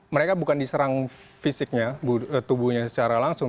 mereka bukan diserang fisiknya tubuhnya secara langsung